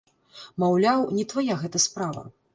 Маўляў, не твая гэта справа!